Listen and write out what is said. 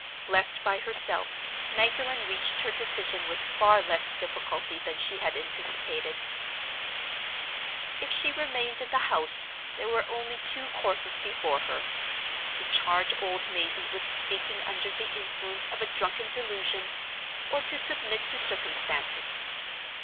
Left by herself, Magdalen reached her decision with far less difficulty than she had anticipated. If she remained in the house, there were only two courses before her—to charge old Mazey with speaking under the influence of a drunken delusion, or to submit to circumstances.